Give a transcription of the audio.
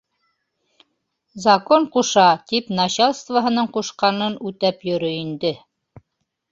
Закон ҡуша, тип начальствоһының ҡушҡанын үтәп йөрөй инде.